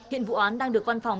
hiện vụ án đang được văn phòng